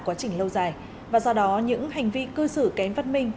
nhưng trong thời gian lâu dài và do đó những hành vi cư xử kém văn minh